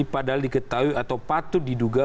padahal diketahui atau patut diduga